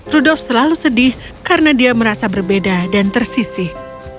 rudof selalu sedih karena dia merasa berbeda dan tersisih